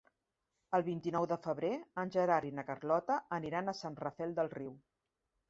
El vint-i-nou de febrer en Gerard i na Carlota aniran a Sant Rafel del Riu.